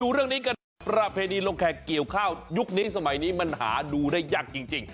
เรื่องนี้กันหน่อยประเพณีลงแขกเกี่ยวข้าวยุคนี้สมัยนี้มันหาดูได้ยากจริง